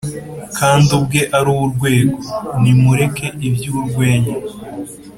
Kandi ubwe ari urwego, Nti : mureke iby'urwenya,